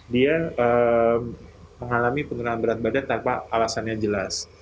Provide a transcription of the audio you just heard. dia mengalami penurunan berat badan tanpa alasannya jelas